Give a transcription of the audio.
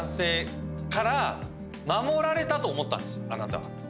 あなたは。